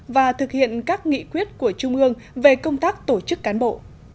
và thực hiện các nghị quyết của trung ương về công tác tổ chức cán bộ